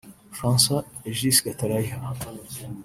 François Régis Gatarayiha